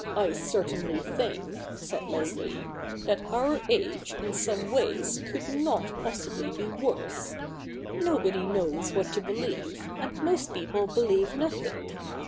' I certainly think,' said Leshe, ' that our age in some ways could not possibly be worse. Nobody. knows what to believe, and most peopl^elieve nothing.